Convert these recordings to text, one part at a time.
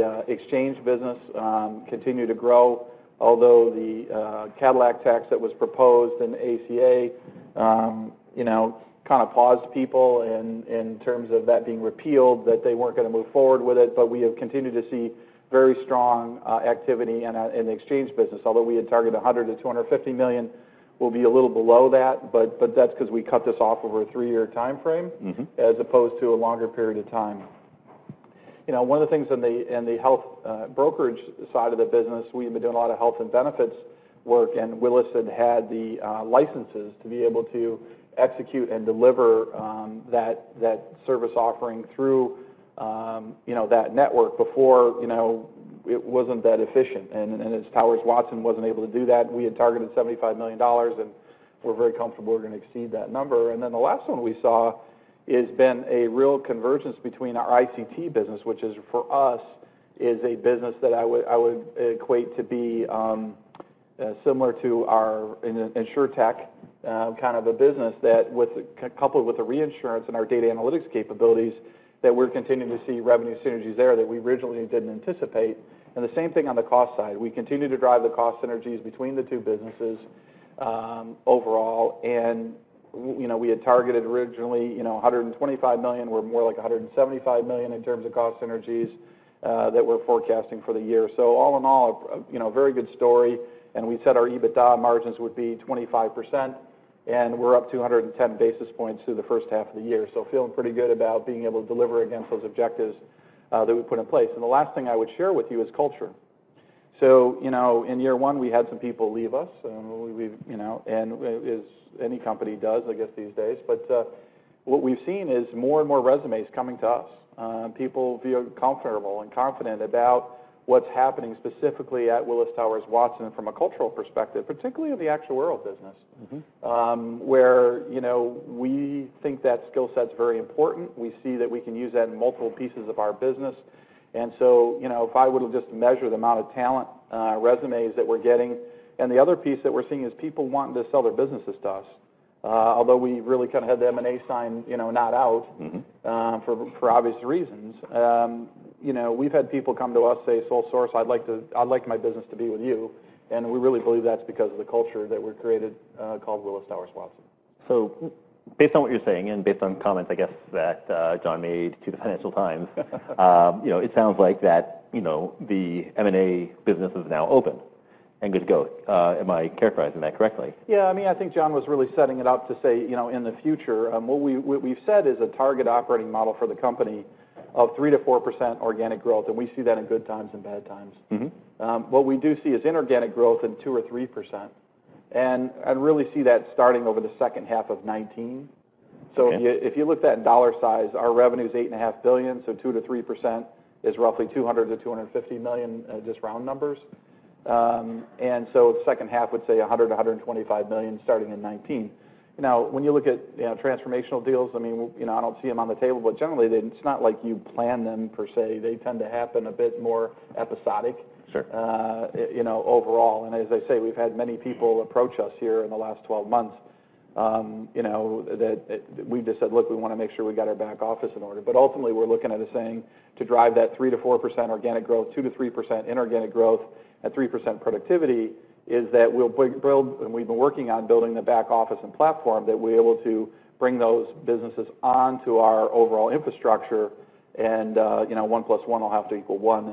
The exchange business continued to grow, although the Cadillac tax that was proposed in ACA kind of paused people in terms of that being repealed, that they weren't going to move forward with it. We have continued to see very strong activity in the exchange business. Although we had targeted $100 million-$250 million, we'll be a little below that, but that's because we cut this off over a three-year timeframe- as opposed to a longer period of time. One of the things in the health brokerage side of the business, we've been doing a lot of health and benefits work, and Willis had had the licenses to be able to execute and deliver that service offering through that network. Before, it wasn't that efficient, and as Towers Watson wasn't able to do that, we had targeted $75 million, and we're very comfortable we're going to exceed that number. The last one we saw has been a real convergence between our ICT business, which is, for us, is a business that I would equate to be similar to our Insurtech kind of a business that coupled with the reinsurance and our data analytics capabilities, that we're continuing to see revenue synergies there that we originally didn't anticipate. The same thing on the cost side. We continue to drive the cost synergies between the two businesses overall, we had targeted originally, $125 million. We're more like $175 million in terms of cost synergies that we're forecasting for the year. All in all, a very good story, and we said our EBITDA margins would be 25%, and we're up 210 basis points through the first half of the year. Feeling pretty good about being able to deliver against those objectives that we put in place. The last thing I would share with you is culture. In year one, we had some people leave us, as any company does, I guess, these days. What we've seen is more and more resumes coming to us. People feel comfortable and confident about what's happening specifically at Willis Towers Watson from a cultural perspective, particularly in the actuarial business, where we think that skill set's very important. We see that we can use that in multiple pieces of our business. If I were to just measure the amount of talent resumes that we're getting, and the other piece that we're seeing is people wanting to sell their businesses to us. Although we really kind of had the M&A sign not out- for obvious reasons. We've had people come to us, say, "Sole source, I'd like my business to be with you." We really believe that's because of the culture that we've created called Willis Towers Watson. Based on what you're saying and based on comments, I guess, that John made to the Financial Times, it sounds like that the M&A business is now open and good to go. Am I characterizing that correctly? Yeah, I think John was really setting it up to say, in the future. What we've said is a target operating model for the company of 3%-4% organic growth, and we see that in good times and bad times. What we do see is inorganic growth in 2% or 3%. I really see that starting over the second half of 2019. Okay. If you looked at dollar size, our revenue's $8.5 billion, 2% to 3% is roughly $200 million to $250 million, just round numbers. Second half, we'd say $100 million to $125 million starting in 2019. When you look at transformational deals, I don't see them on the table, but generally, it's not like you plan them per se. They tend to happen a bit more episodic. Sure overall. As I say, we've had many people approach us here in the last 12 months that we've just said, "Look, we want to make sure we got our back office in order." Ultimately, we're looking at is saying to drive that 3% to 4% organic growth, 2% to 3% inorganic growth, at 3% productivity, is that we'll build, and we've been working on building the back office and platform that we're able to bring those businesses onto our overall infrastructure. One plus one will have to equal one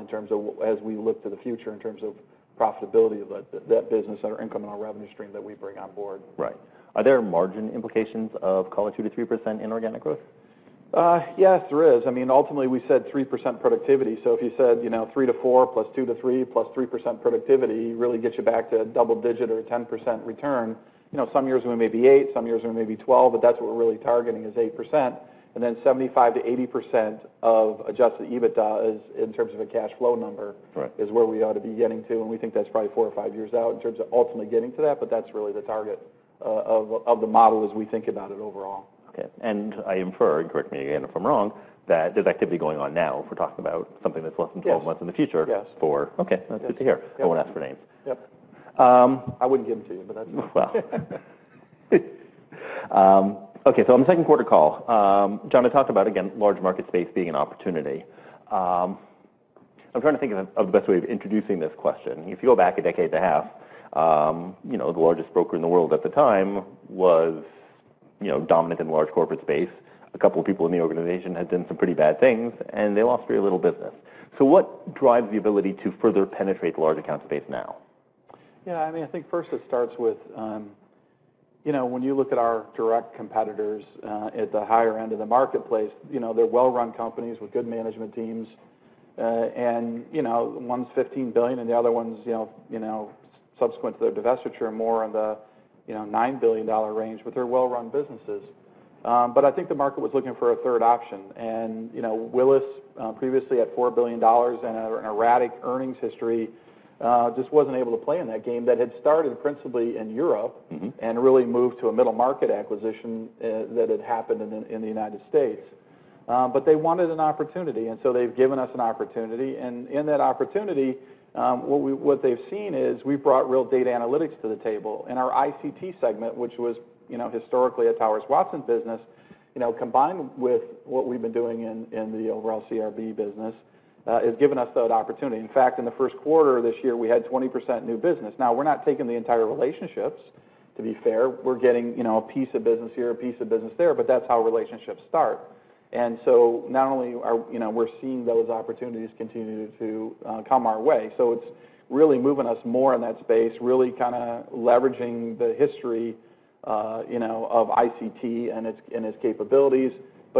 as we look to the future in terms of profitability of that business, that our income and our revenue stream that we bring on board. Right. Are there margin implications of call it 2% to 3% inorganic growth? Yes, there is. We said 3% productivity, if you said 3% to 4% plus 2% to 3% plus 3% productivity really gets you back to double digit or a 10% return. Some years we may be 8%, some years we may be 12%, but that's what we're really targeting is 8%. Then 75% to 80% of adjusted EBITDA is in terms of a cash flow number. Right is where we ought to be getting to. We think that's probably four or five years out in terms of ultimately getting to that. That's really the target of the model as we think about it overall. Okay. I infer, and correct me again if I'm wrong, that there's activity going on now, if we're talking about something that's less than 12 months in the future. Yes Okay. That's good to hear. Yep. I won't ask for names. Yep. I wouldn't give them to you, but that's fine. Well. Okay, on the second quarter call, John had talked about, again, large market space being an opportunity. I'm trying to think of the best way of introducing this question. If you go back a decade and a half, the largest broker in the world at the time was dominant in large corporate space. A couple people in the organization had done some pretty bad things, and they lost very little business. What drives the ability to further penetrate the large account space now? Yeah, I think first it starts with when you look at our direct competitors at the higher end of the marketplace, they're well-run companies with good management teams. One's $15 billion and the other one's, subsequent to the divestiture, more in the $9 billion range, but they're well-run businesses. I think the market was looking for a third option. Willis previously at $4 billion and an erratic earnings history just wasn't able to play in that game that had started principally in Europe. Really moved to a middle market acquisition that had happened in the United States. They wanted an opportunity, they've given us an opportunity. In that opportunity, what they've seen is we've brought real data analytics to the table. Our ICT segment, which was historically a Towers Watson business, combined with what we've been doing in the overall CRB business, has given us that opportunity. In fact, in the first quarter of this year, we had 20% new business. Now, we're not taking the entire relationships, to be fair. We're getting a piece of business here, a piece of business there, that's how relationships start. Not only are we seeing those opportunities continue to come our way, it's really moving us more in that space, really kind of leveraging the history of ICT and its capabilities.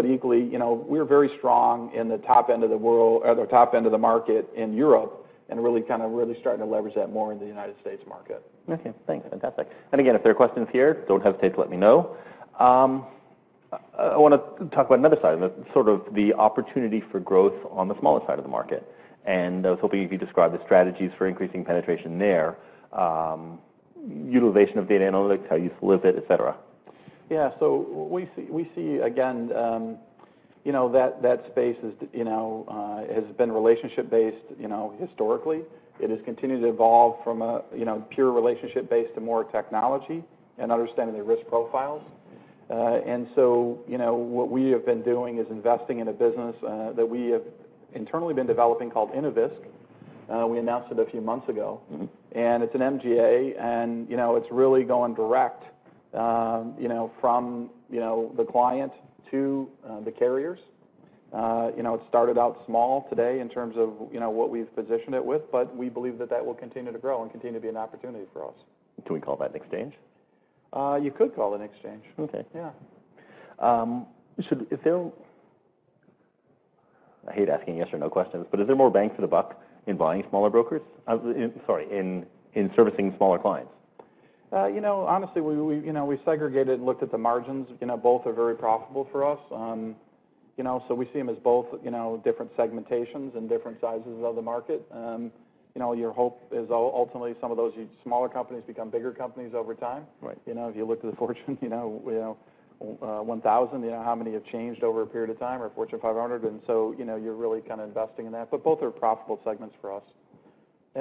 Equally, we're very strong in the top end of the market in Europe and really starting to leverage that more in the U.S. market. Okay, thanks. Fantastic. Again, if there are questions here, don't hesitate to let me know. I want to talk about another side of it, sort of the opportunity for growth on the smaller side of the market. I was hoping you could describe the strategies for increasing penetration there, utilization of data analytics, how you solicit, et cetera. Yeah. We see, again, that space has been relationship based historically. It has continued to evolve from a pure relationship base to more technology and understanding the risk profiles. What we have been doing is investing in a business that we have internally been developing called Innovis. We announced it a few months ago. It's an MGA, and it's really going direct from the client to the carriers. It started out small today in terms of what we've positioned it with, but we believe that that will continue to grow and continue to be an opportunity for us. Can we call that an exchange? You could call it an exchange. Okay. Yeah. I hate asking yes or no questions. Is there more bang for the buck in buying smaller brokers? Sorry, in servicing smaller clients? Honestly, we segregated and looked at the margins. Both are very profitable for us. We see them as both different segmentations and different sizes of the market. Your hope is ultimately some of those smaller companies become bigger companies over time. Right. If you look to the Fortune 1000, how many have changed over a period of time, or Fortune 500, you're really kind of investing in that, but both are profitable segments for us.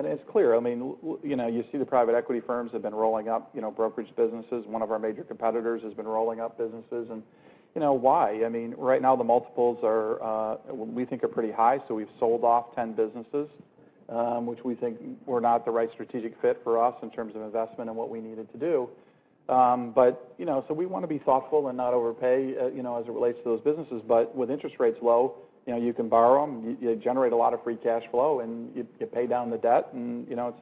It's clear, you see the private equity firms have been rolling up brokerage businesses. One of our major competitors has been rolling up businesses, and why? Right now, the multiples we think are pretty high, we've sold off 10 businesses, which we think were not the right strategic fit for us in terms of investment and what we needed to do. We want to be thoughtful and not overpay as it relates to those businesses. With interest rates low, you can borrow them, you generate a lot of free cash flow, and you pay down the debt. You got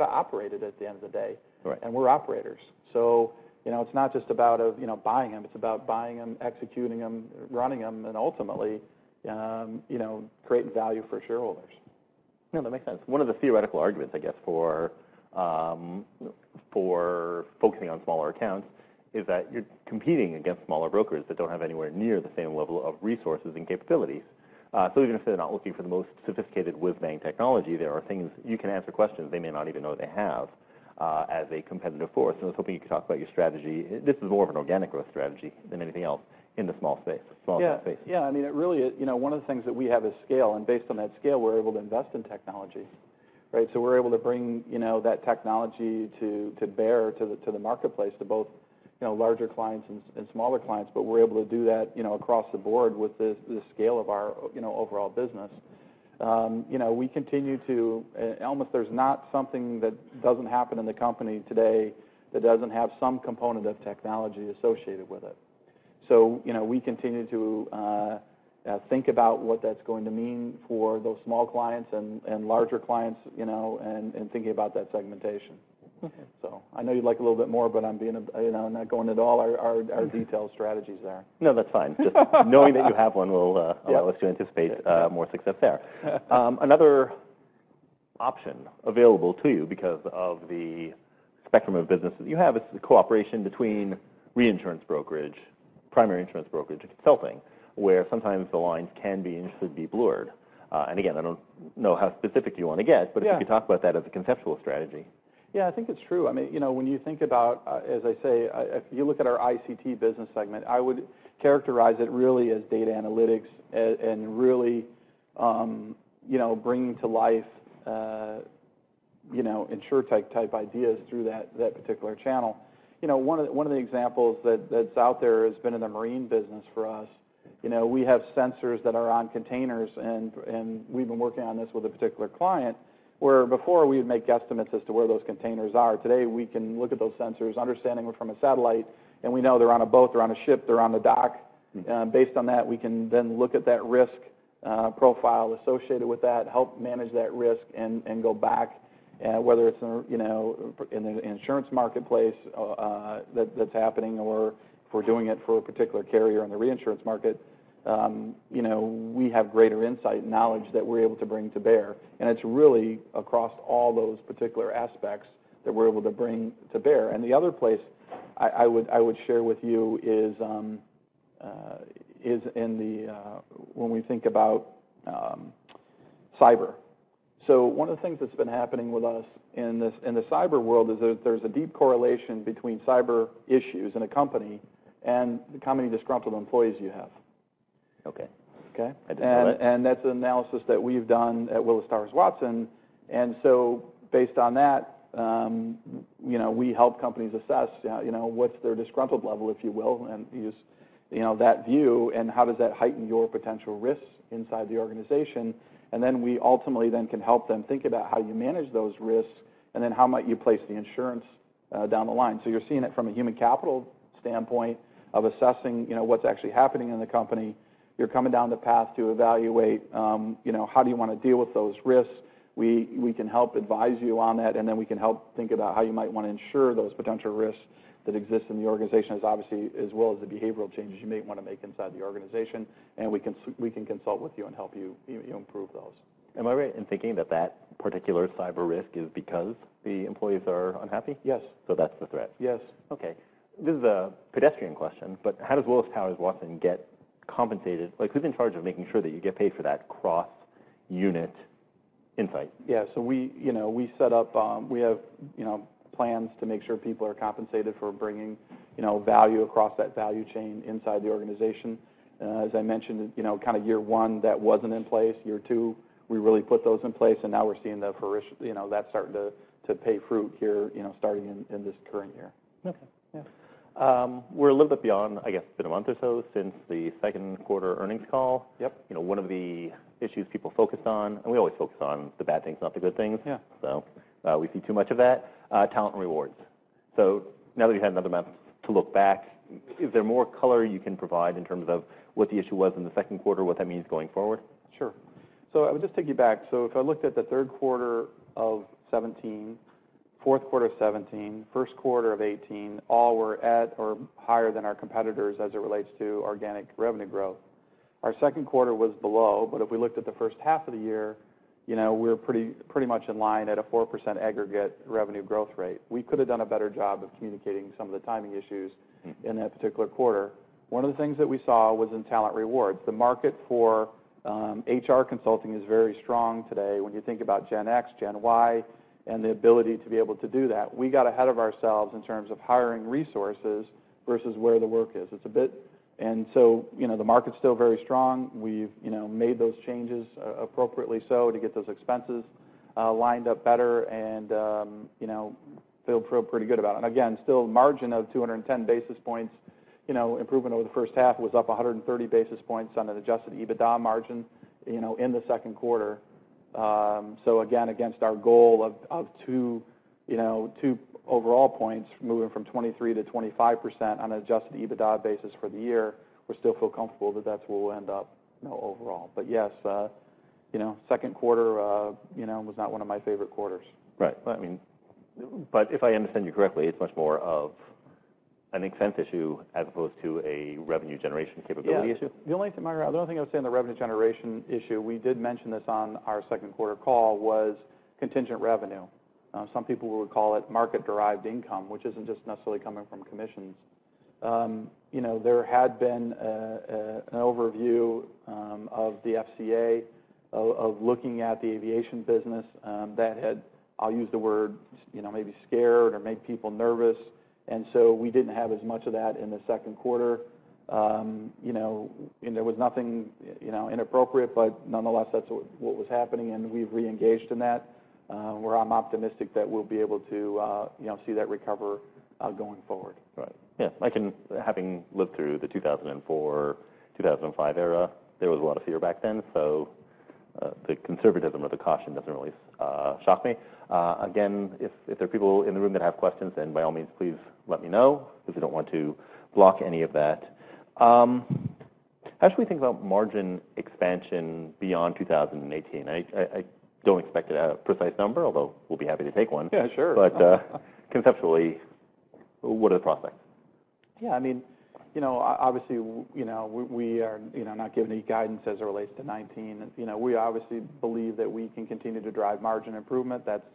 to operate it at the end of the day. Right. We're operators, so it's not just about buying them, it's about buying them, executing them, running them, and ultimately creating value for shareholders. No, that makes sense. One of the theoretical arguments, I guess, for focusing on smaller accounts is that you're competing against smaller brokers that don't have anywhere near the same level of resources and capabilities. Even if they're not looking for the most sophisticated whiz-bang technology, there are things you can answer questions they may not even know they have as a competitive force. I was hoping you could talk about your strategy. This is more of an organic growth strategy than anything else in the small space. Yeah. One of the things that we have is scale. Based on that scale, we're able to invest in technology, right. We're able to bring that technology to bear to the marketplace, to both larger clients and smaller clients. We're able to do that across the board with the scale of our overall business. Almost there's not something that doesn't happen in the company today that doesn't have some component of technology associated with it. We continue to think about what that's going to mean for those small clients and larger clients, and thinking about that segmentation. Okay. I know you'd like a little bit more, but I'm not going into all our detailed strategies there. No, that's fine. Just knowing that you have one will allow us to anticipate more success there. Another option available to you because of the spectrum of businesses you have is the cooperation between reinsurance brokerage, primary insurance brokerage, and consulting, where sometimes the lines can be, and should be, blurred. Again, I don't know how specific you want to get- Yeah If you could talk about that as a conceptual strategy. I think it's true. When you think about, as I say, if you look at our ICT business segment, I would characterize it really as data analytics and really bringing to life insurer-type ideas through that particular channel. One of the examples that's out there has been in the marine business for us. We have sensors that are on containers, and we've been working on this with a particular client, where before we would make guesstimates as to where those containers are. Today, we can look at those sensors, understanding from a satellite, and we know they're on a boat, they're on a ship, they're on a dock. Based on that, we can look at that risk profile associated with that, help manage that risk, and go back, whether it's in an insurance marketplace that's happening, or if we're doing it for a particular carrier in the reinsurance market. We have greater insight and knowledge that we're able to bring to bear, and it's really across all those particular aspects that we're able to bring to bear. The other place I would share with you is when we think about cyber. One of the things that's been happening with us in the cyber world is that there's a deep correlation between cyber issues in a company and how many disgruntled employees you have. Okay. Okay. I didn't know that. That's an analysis that we've done at Willis Towers Watson. Based on that, we help companies assess what's their disgruntled level, if you will, and use that view, and how does that heighten your potential risks inside the organization. Then we ultimately then can help them think about how you manage those risks, and then how might you place the insurance down the line. You're seeing it from a human capital standpoint of assessing what's actually happening in the company. You're coming down the path to evaluate how do you want to deal with those risks. We can help advise you on that, and then we can help think about how you might want to insure those potential risks that exist in the organization, as obviously, as well as the behavioral changes you may want to make inside the organization. We can consult with you and help you improve those. Am I right in thinking that that particular cyber risk is because the employees are unhappy? Yes. That's the threat? Yes. Okay. This is a pedestrian question, but how does Willis Towers Watson get compensated? Who's in charge of making sure that you get paid for that cross-unit insight? Yeah. We have plans to make sure people are compensated for bringing value across that value chain inside the organization. As I mentioned, year one, that wasn't in place. Year two, we really put those in place, and now we're seeing that starting to pay fruit here, starting in this current year. Okay. Yeah. We're a little bit beyond, I guess it's been a month or so since the second quarter earnings call. Yep. One of the issues people focused on, we always focus on the bad things, not the good things. Yeah. We see too much of that, Talent & Rewards. Now that you have another month to look back, is there more color you can provide in terms of what the issue was in the second quarter, what that means going forward? Sure. I would just take you back. If I looked at the third quarter of 2017, fourth quarter of 2017, first quarter of 2018, all were at or higher than our competitors as it relates to organic revenue growth. Our second quarter was below, but if we looked at the first half of the year, we were pretty much in line at a 4% aggregate revenue growth rate. We could have done a better job of communicating some of the timing issues in that particular quarter. One of the things that we saw was in Talent & Rewards. The market for HR consulting is very strong today. When you think about Gen X, Gen Y, and the ability to be able to do that, we got ahead of ourselves in terms of hiring resources versus where the work is. The market's still very strong. We've made those changes appropriately so to get those expenses lined up better and feel pretty good about it. Again, still a margin of 210 basis points. Improvement over the first half was up 130 basis points on an adjusted EBITDA margin in the second quarter. Again, against our goal of two overall points, moving from 23%-25% on an adjusted EBITDA basis for the year, we still feel comfortable that that's where we'll end up overall. Yes, second quarter was not one of my favorite quarters. Right. If I understand you correctly, it's much more of an expense issue as opposed to a revenue generation capability issue? Yeah. The only thing I would say on the revenue generation issue, we did mention this on our second quarter call, was contingent revenue. Some people would call it market-derived income, which isn't just necessarily coming from commissions. There had been an overview of the FCA of looking at the aviation business that had, I'll use the word maybe scared or made people nervous. We didn't have as much of that in the second quarter. There was nothing inappropriate, nonetheless, that's what was happening, and we've re-engaged in that, where I'm optimistic that we'll be able to see that recover going forward. Right. Yeah. Having lived through the 2004, 2005 era, there was a lot of fear back then, the conservatism or the caution doesn't really shock me. Again, if there are people in the room that have questions, by all means, please let me know because I don't want to block any of that. How should we think about margin expansion beyond 2018? I don't expect a precise number, although we'll be happy to take one. Yeah, sure. Conceptually, what are the prospects? Obviously, we are not giving any guidance as it relates to 2019. We obviously believe that we can continue to drive margin improvement. That's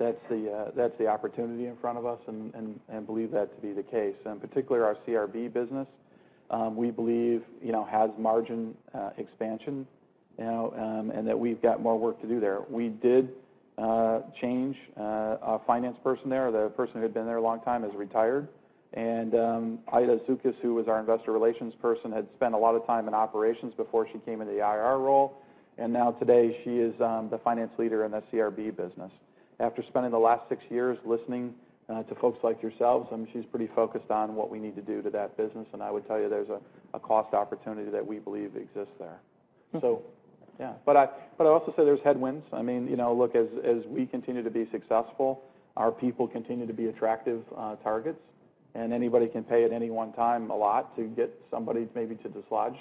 the opportunity in front of us and believe that to be the case. In particular, our CRB business we believe has margin expansion, and that we've got more work to do there. We did change a finance person there. The person who had been there a long time has retired. Aida Soukas, who was our investor relations person, had spent a lot of time in operations before she came into the IR role. Now today she is the finance leader in the CRB business. After spending the last six years listening to folks like yourselves, she's pretty focused on what we need to do to that business. I would tell you there's a cost opportunity that we believe exists there. Yeah. I also say there's headwinds. Look, as we continue to be successful, our people continue to be attractive targets. Anybody can pay at any one time a lot to get somebody maybe to dislodge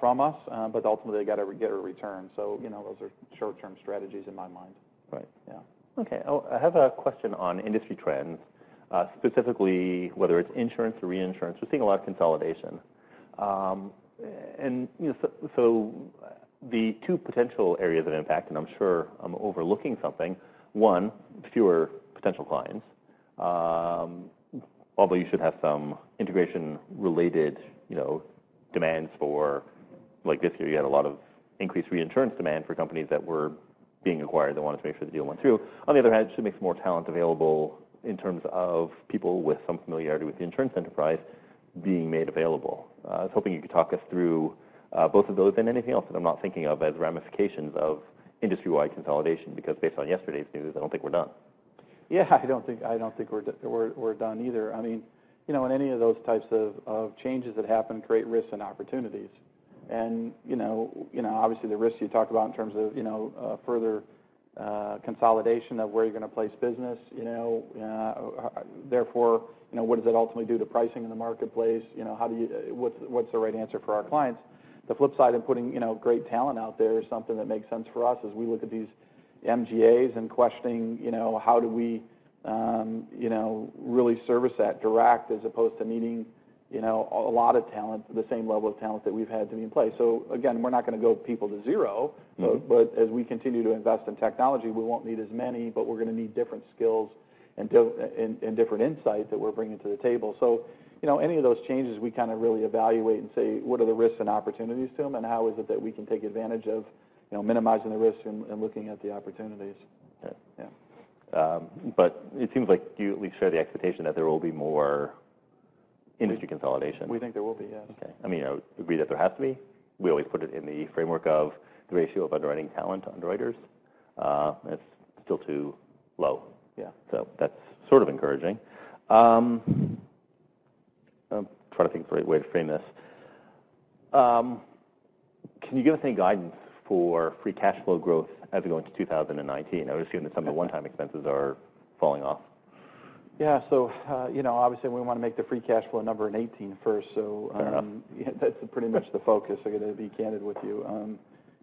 from us. Ultimately, they got to get a return. Those are short-term strategies in my mind. Right. Yeah. Okay. I have a question on industry trends, specifically whether it's insurance or reinsurance. We're seeing a lot of consolidation. The two potential areas of impact, and I'm sure I'm overlooking something, one, fewer potential clients. Although you should have some integration-related demands for, like this year, you had a lot of increased reinsurance demand for companies that were being acquired that wanted to make sure the deal went through. On the other hand, it should make more talent available in terms of people with some familiarity with the insurance enterprise being made available. I was hoping you could talk us through both of those and anything else that I'm not thinking of as ramifications of industry-wide consolidation, because based on yesterday's news, I don't think we're done. Yeah, I don't think we're done either. Any of those types of changes that happen create risks and opportunities. Obviously the risks you talked about in terms of further consolidation of where you're going to place business, therefore, what does that ultimately do to pricing in the marketplace? What's the right answer for our clients? The flip side in putting great talent out there is something that makes sense for us as we look at these MGAs and questioning how do we really service that direct as opposed to needing a lot of talent, the same level of talent that we've had to be in place. Again, we're not going to go people to zero. As we continue to invest in technology, we won't need as many, but we're going to need different skills and different insight that we're bringing to the table. Any of those changes, we really evaluate and say, "What are the risks and opportunities to them, and how is it that we can take advantage of minimizing the risks and looking at the opportunities? Yeah. It seems like you at least share the expectation that there will be more industry consolidation. We think there will be, yes. Okay. I would agree that there has to be. We always put it in the framework of the ratio of underwriting talent to underwriters. It's still too low. Yeah. That's sort of encouraging. I'm trying to think of the right way to frame this. Can you give us any guidance for free cash flow growth as we go into 2019? I would assume that some of the one-time expenses are falling off. Yeah. Obviously we want to make the free cash flow number in 2018 first. Fair enough That's pretty much the focus, I got to be candid with you.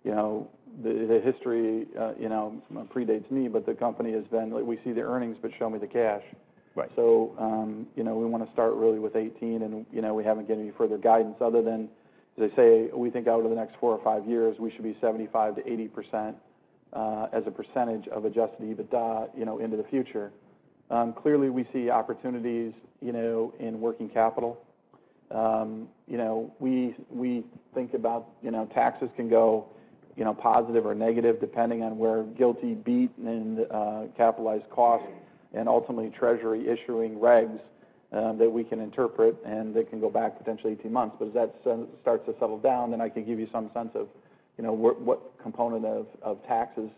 The history predates me, but the company has been, like, we see the earnings, but show me the cash. Right. We want to start really with 2018, and we haven't given any further guidance other than, as I say, we think out over the next four or five years, we should be 75%-80% as a percentage of adjusted EBITDA into the future. Clearly, we see opportunities in working capital. We think about taxes can go positive or negative depending on where GILTI BEAT and capitalized costs and ultimately treasury issuing regs that we can interpret, and they can go back potentially 18 months. As that starts to settle down, I can give you some sense of what component of taxes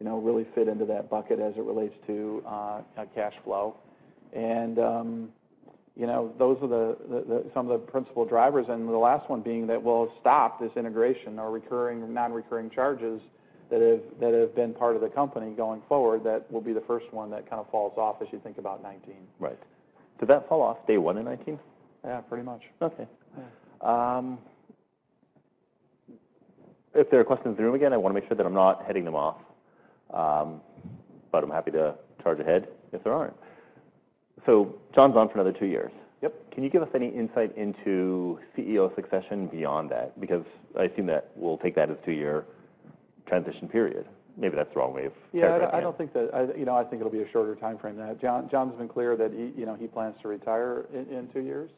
really fit into that bucket as it relates to cash flow. Those are some of the principal drivers and the last one being that will stop this integration or recurring, non-recurring charges that have been part of the company going forward that will be the first one that kind of falls off as you think about 2019. Right. Did that fall off day one in 2019? Yeah, pretty much. Okay. If there are questions in the room again, I want to make sure that I'm not heading them off. I'm happy to charge ahead if there aren't. John's on for another two years. Yep. Can you give us any insight into CEO succession beyond that? I assume that we'll take that as two-year transition period. Maybe that's the wrong way of characterizing it. Yeah, I think it'll be a shorter timeframe than that. John's been clear that he plans to retire in two years.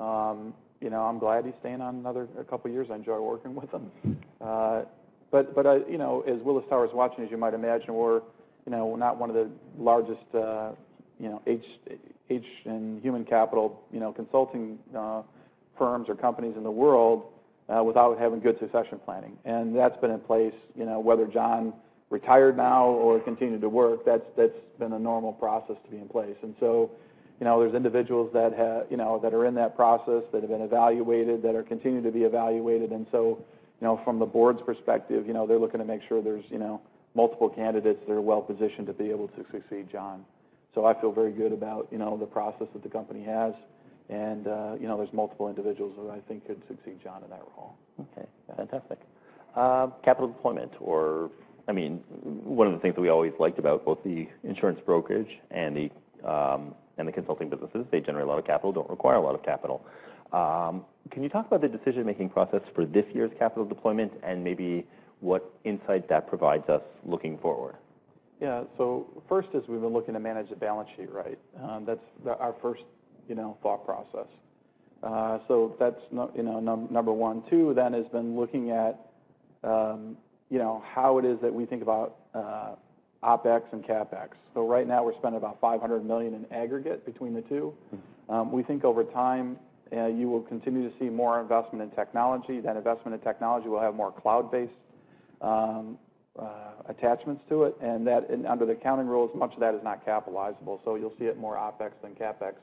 I'm glad he's staying on another couple of years. I enjoy working with him. As Willis Towers Watson, as you might imagine, we're not one of the largest human capital consulting firms or companies in the world without having good succession planning. That's been in place whether John retired now or continued to work, that's been a normal process to be in place. There's individuals that are in that process that have been evaluated, that are continuing to be evaluated. From the board's perspective, they're looking to make sure there's multiple candidates that are well-positioned to be able to succeed John. I feel very good about the process that the company has, and there's multiple individuals who I think could succeed John in that role. Okay. Fantastic. Capital deployment, or one of the things that we always liked about both the insurance brokerage and the consulting businesses, they generate a lot of capital, don't require a lot of capital. Can you talk about the decision-making process for this year's capital deployment and maybe what insight that provides us looking forward? Yeah. First is we've been looking to manage the balance sheet right. That's our first thought process. That's number one. Two has been looking at how it is that we think about OpEx and CapEx. Right now we're spending about $500 million in aggregate between the two. We think over time you will continue to see more investment in technology. That investment in technology will have more cloud-based attachments to it, and under the accounting rules, much of that is not capitalizable. You'll see it more OpEx than CapEx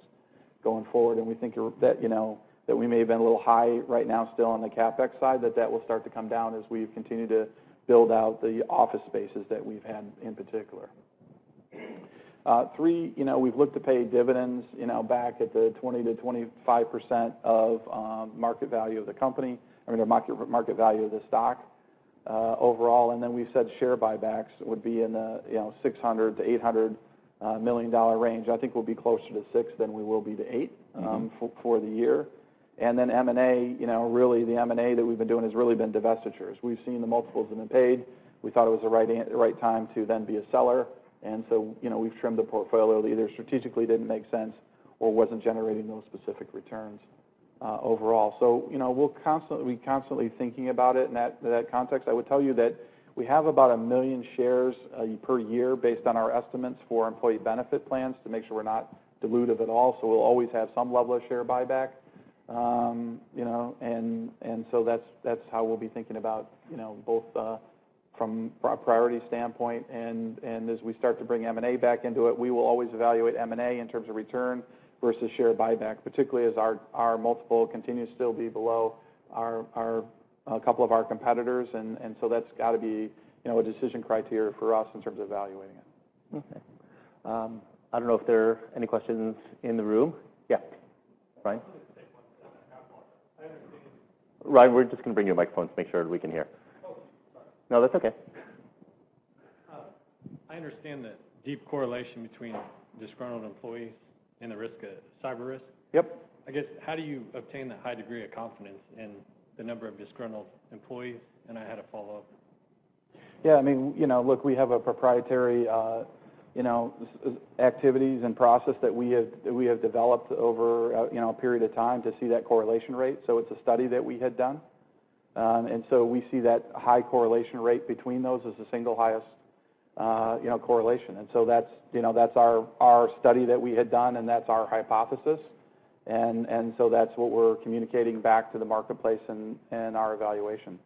going forward, and we think that we may have been a little high right now still on the CapEx side, but that will start to come down as we continue to build out the office spaces that we've had in particular. Three, we've looked to pay dividends back at the 20%-25% of market value of the company, or market value of the stock overall. We said share buybacks would be in the $600 million-$800 million range. I think we'll be close to six, then we will be to eight- for the year. M&A, really the M&A that we've been doing has really been divestitures. We've seen the multiples that have been paid. We thought it was the right time to then be a seller. We've trimmed the portfolio that either strategically didn't make sense or wasn't generating those specific returns overall. We're constantly thinking about it in that context. I would tell you that we have about 1 million shares per year based on our estimates for employee benefit plans to make sure we're not dilutive at all. We'll always have some level of share buyback. That's how we'll be thinking about both from a priority standpoint and as we start to bring M&A back into it. We will always evaluate M&A in terms of return versus share buyback, particularly as our multiple continues to still be below a couple of our competitors. That's got to be a decision criteria for us in terms of evaluating it. Okay. I don't know if there are any questions in the room. Yeah. Brian? I'll just take one because I only have one. I understand- Brian, we're just going to bring you a microphone to make sure we can hear. Oh, sorry. No, that's okay. I understand the deep correlation between disgruntled employees and the risk of cyber risk. Yep. I guess, how do you obtain that high degree of confidence in the number of disgruntled employees? I had a follow-up. Look, we have proprietary activities and process that we have developed over a period of time to see that correlation rate. It's a study that we had done. We see that high correlation rate between those as the single highest correlation. That's our study that we had done, and that's our hypothesis. That's what we're communicating back to the marketplace and our evaluation.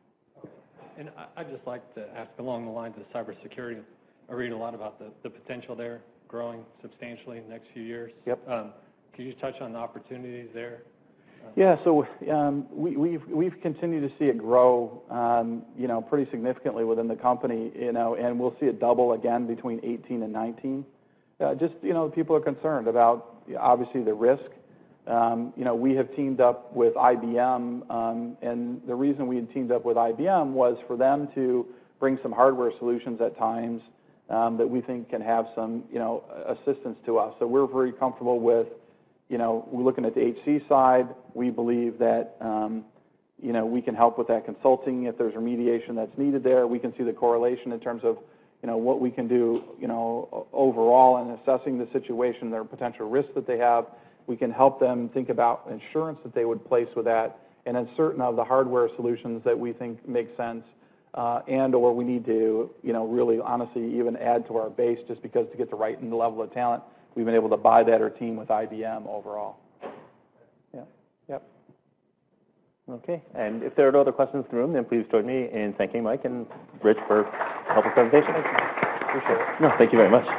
Okay. I'd just like to ask along the lines of cybersecurity. I read a lot about the potential there growing substantially in the next few years. Yep. Could you touch on the opportunities there? Yeah. We've continued to see it grow pretty significantly within the company, and we'll see it double again between 2018 and 2019. Just people are concerned about, obviously, the risk. We have teamed up with IBM, and the reason we had teamed up with IBM was for them to bring some hardware solutions at times that we think can have some assistance to us. We're very comfortable with looking at the HC side. We believe that we can help with that consulting. If there's remediation that's needed there, we can see the correlation in terms of what we can do overall in assessing the situation and the potential risks that they have. We can help them think about insurance that they would place with that, certain of the hardware solutions that we think make sense and/or we need to really honestly even add to our base just because to get the right level of talent, we've been able to buy that or team with IBM overall. Yeah. Yep. Okay, if there are no other questions in the room, please join me in thanking Mike and Rich for a helpful presentation. Thank you. Appreciate it. No, thank you very much